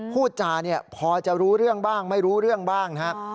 พูดจาเนี่ยพอจะรู้เรื่องบ้างไม่รู้เรื่องบ้างนะครับ